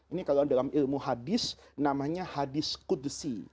ini kalau dalam ilmu hadis namanya hadis kudsi